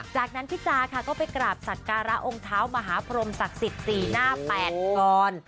จากนั้นพี่จาค่ะก็ไปกราบสักการะองค์เท้ามหาพรมศักดิ์สิทธิ์๔หน้า๘กร